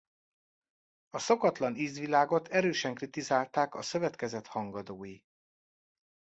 A szokatlan ízvilágot erősen kritizálták a szövetkezet hangadói.